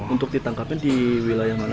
untuk ditangkapin di wilayah mana